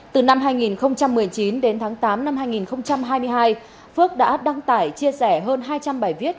từ năm hai nghìn một mươi chín đến tháng tám năm hai nghìn hai mươi hai phước đã đăng tải chia sẻ hơn hai trăm linh bài viết